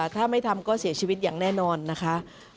ถ้าไม่ทำก็เสียชีวิตอย่างแน่นอนนะคะ